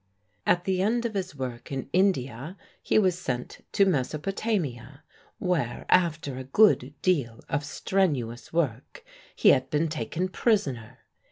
At the end of his work in India, he was sent to Meso potamia where, after a good deal of strenuous work, he had been taken prisoner.